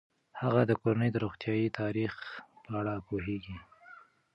هغه د کورنۍ د روغتیايي تاریخ په اړه پوهیږي.